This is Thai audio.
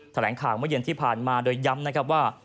แถลงข่าวเมื่อเย็นที่ผ่านมาโดยย้ำนะครับว่า